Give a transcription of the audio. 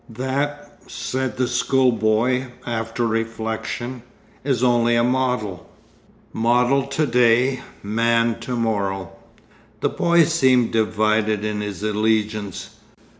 'That,' said the schoolboy, after reflection, 'is only a model.' 'Model to day, man to morrow.' The boy seemed divided in his allegiance.